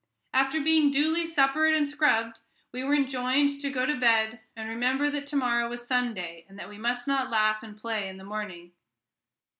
After being duly suppered and scrubbed, we were enjoined to go to bed, and remember that to morrow was Sunday, and that we must not laugh and play in the morning.